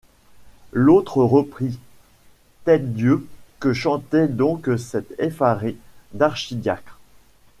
L’autre reprit: — Tête-Dieu! que chantait donc cet effaré d’archidiacre?